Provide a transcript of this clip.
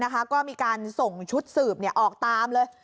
ก็มีการส่งชุดสืบออกตามเลย